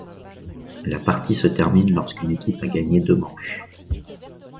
La partie se termine lorsqu'une équipe a gagné deux manches.